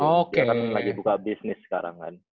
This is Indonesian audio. dia kan lagi buka bisnis sekarang kan